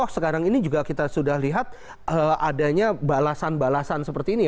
sekarang ini juga kita sudah lihat adanya balasan balasan seperti ini